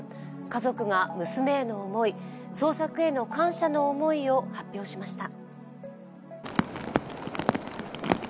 家族が娘への思い、捜索への感謝の思いを発表しました。